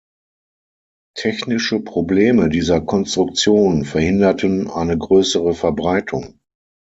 Technische Probleme dieser Konstruktion verhinderten eine größere Verbreitung.